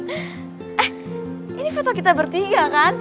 eh ini foto kita bertiga kan